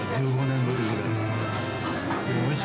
１５年ぶりぐらい。